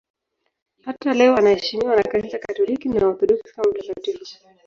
Hata leo anaheshimiwa na Kanisa Katoliki na Waorthodoksi kama mtakatifu.